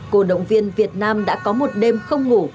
cổ động viên việt nam đã có một đêm không ngủ